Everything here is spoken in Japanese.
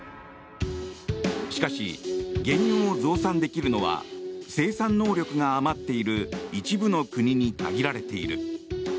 しかし、原油を増産できるのは生産能力が余っている一部の国に限られている。